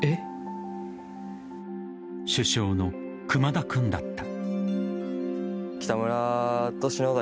主将の熊田君だった。